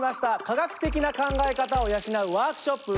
科学的な考え方を養うワークショップ